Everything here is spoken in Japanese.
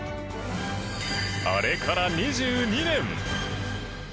あれから２２年。